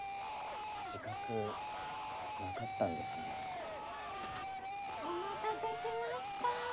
⁉自覚なかったんですね・・お待たせしました